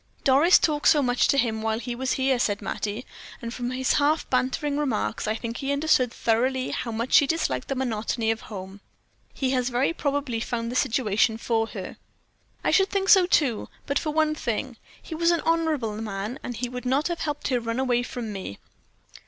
"Doris talked so much to him while he was here," said Mattie, "and from his half bantering remarks, I think he understood thoroughly how much she disliked the monotony of home. He has very probably found the situation for her." "I should think so too, but for one thing he was an honorable man, and he would not have helped her run away from me."